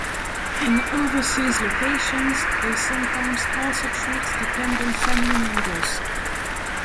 In overseas locations, they sometimes also treat dependent family members.